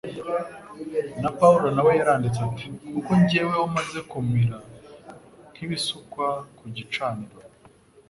Na Pawulo na we yaranditse ati : «Kuko jyeweho maze kumera nk'ibisukwa ku gicaniro,